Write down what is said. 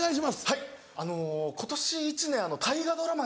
はい今年１年大河ドラマに。